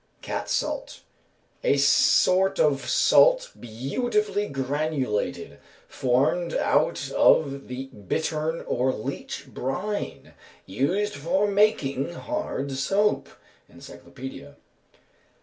Cat salt. "A sort of salt beautifully granulated, formed out of the bittern or leach brine, used for making hard soap." _Encyclopædia.